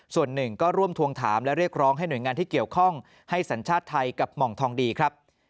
ส่วนหนึ่งก็ร่วมทวงถามและเรียกร้องให้หน่วยงานที่เกี่ยวข้องให้สัญชาติไทยกับหม่องทองดีครับ